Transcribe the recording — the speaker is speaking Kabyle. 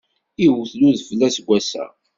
Iwet-d udfel aseggas-a.